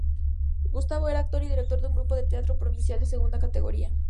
Gustave era actor y director de un grupo de teatro provincial de segunda categoría.